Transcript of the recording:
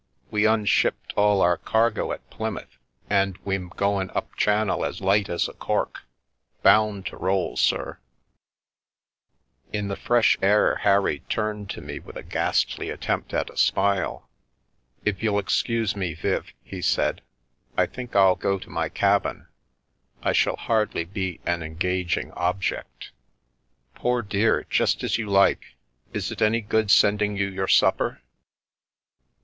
" We unshipped all our cargo at Plymouth, and we'm goin' up channel as light as a cork ; bound to roll, sir 1 " In the fresh air Harry turned to me with a ghastly attempt at a smile. " If you'll excuse me, Viv," he said, " I think I'll go to my cabin. I shall hardly be an en gaging object." " Poor dear, just as you like. Is it any good sending you your supper